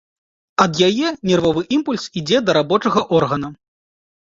Ад яе нервовы імпульс ідзе да рабочага органа.